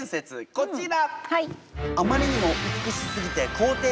こちら。